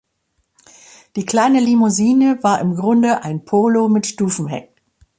Die kleine Limousine war im Grunde ein Polo mit Stufenheck.